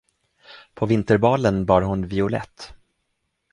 På vinterbalen bar hon violett.